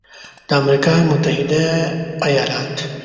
د امریکا متحده ایالات